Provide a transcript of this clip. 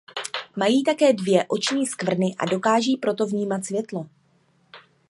Mají také dvě oční skvrny a dokáží proto vnímat světlo.